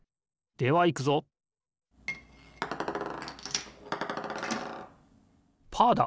ではいくぞパーだ！